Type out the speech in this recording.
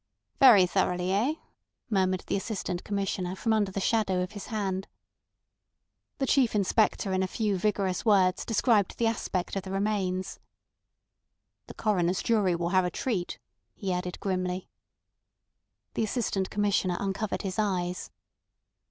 "Very thoroughly—eh?" murmured the Assistant Commissioner from under the shadow of his hand. The Chief Inspector in a few vigorous words described the aspect of the remains. "The coroner's jury will have a treat," he added grimly. The Assistant Commissioner uncovered his eyes.